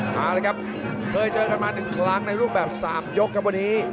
มาเลยครับเคยเจอกันมา๑ครั้งในรูปแบบ๓ยกครับวันนี้